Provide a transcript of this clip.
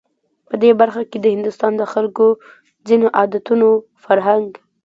په دې برخه کې د هندوستان د خلکو ځینو عادتونو، فرهنک